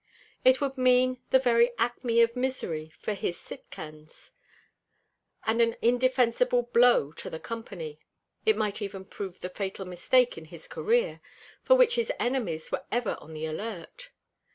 It would mean the very acme of misery for his Sitkans, and an indefensible blow to the Company. It might even prove the fatal mistake in his career, for which his enemies were ever on the alert.